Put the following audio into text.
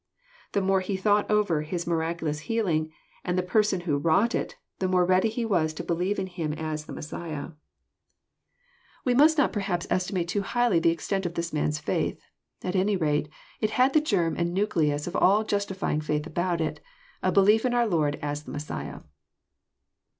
The more he thought over his miraculous healing, and the Per son who had wrought it, the more ready he was to believe in Him as the Messiah. 170 EXPosrroBT thoughts. We must not perhaps estimate too bigbly tbe extent of this man*a faith. At any rate, it had the germ and nuclens of all Justifying faith about it, a belief in our Lord as the Messiah.